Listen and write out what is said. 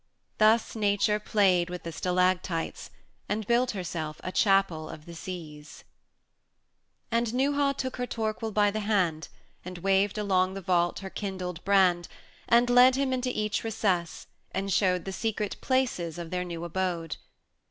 Thus Nature played with the stalactites, And built herself a Chapel of the Seas. 160 VIII. And Neuha took her Torquil by the hand, And waved along the vault her kindled brand, And led him into each recess, and showed The secret places of their new abode.